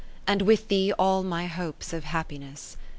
And with thee all my hopes of happiness.